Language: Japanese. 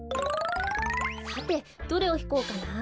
さてどれをひこうかな。